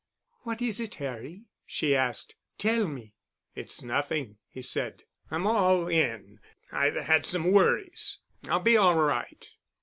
"What is it, Harry?" she asked. "Tell me." "It's nothing," he said. "I'm all in, I've had some worries. I'll be all right.